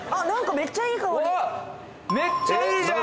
めっちゃいいじゃん！